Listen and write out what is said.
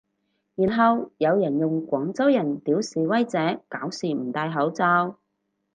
然後有人用廣州人屌示威者搞事唔戴口罩